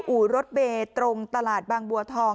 อู่รถเบย์ตรงตลาดบางบัวทอง